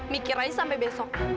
mikir aja sampe besok